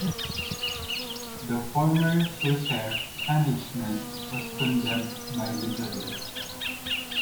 The former Swissair management was condemned by the judges.